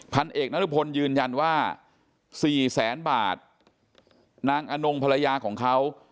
พันเอกนรุพลยืนยันว่าสี่แสนบาทนางอนงภรรยาของเขา